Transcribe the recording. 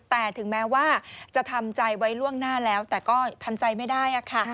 แต่ถึงแม้ว่าจะทำใจไว้ล่วงหน้าแล้วแต่ก็ทำใจไม่ได้ค่ะ